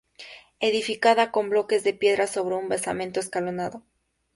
Edificada con bloques de piedra sobre un basamento escalonado.